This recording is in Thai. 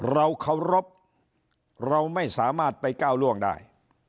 เราเคารพเราไม่สามารถไปก้าวล่วงได้